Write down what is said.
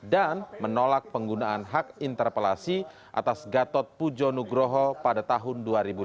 dan menolak penggunaan hak interpelasi atas gatot pujo nugroho pada tahun dua ribu lima belas